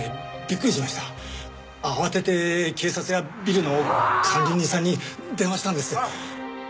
慌てて警察やビルの管理人さんに電話したんです。